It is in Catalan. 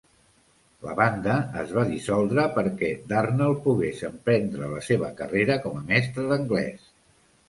La banda es va dissoldre perquè Darnell pogués emprendre la seva carrera com a mestre d'anglès.